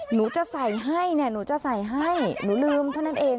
หนูจะใส่ให้เนี่ยหนูจะใส่ให้หนูลืมเท่านั้นเอง